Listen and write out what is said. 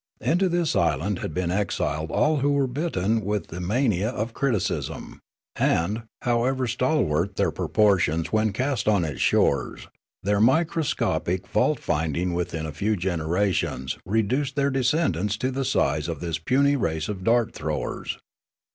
Into this island had been exiled all who were bitten with the mania of criticism, and, however stalwart their proportions when cast on its shores, their microscopic fault finding within a few generations reduced their descendants to the size of this puny race of dart throwers.